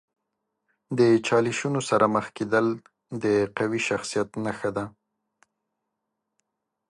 د چالشونو سره مخ کیدل د قوي شخصیت نښه ده.